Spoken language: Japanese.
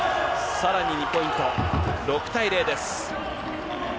さらに２ポイント、６対０です。